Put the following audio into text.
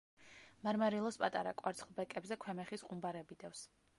მარმარილოს პატარა კვარცხლბეკებზე ქვემეხის ყუმბარები დევს.